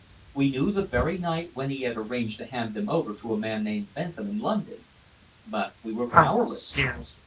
We knew the very night when he had arranged to hand them over to a man named Bentham in London. But we were powerless.